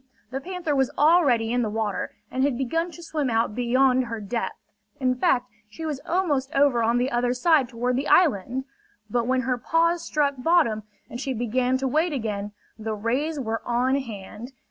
The panther was already in the water, and had begun to swim out beyond her depth. In fact, she was almost over on the other side toward the island. But when her paws struck bottom and she began to wade again, the rays were on hand.